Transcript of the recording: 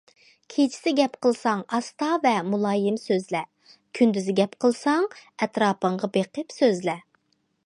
كېچىسى گەپ قىلساڭ ئاستا ۋە مۇلايىم سۆزلە، كۈندۈزى گەپ قىلساڭ، ئەتراپىڭغا بېقىپ سۆزلە.